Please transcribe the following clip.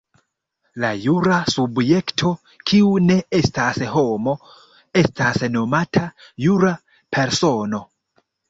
La jura subjekto, kiu ne estas homo, estas nomata jura persono.